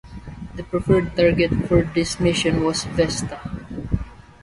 The preferred target for this mission was Vesta.